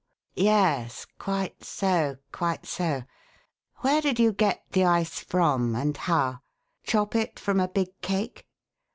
"Yes! Quite so, quite so! Where did you get the ice from and how? Chop it from a big cake?"